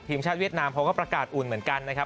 ทีมชาติเวียดนามเขาก็ประกาศอุ่นเหมือนกันนะครับ